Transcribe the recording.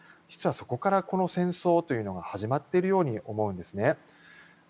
実はそこからこの戦争というのが始まっているように思うんですね。